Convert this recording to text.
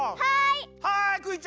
はい！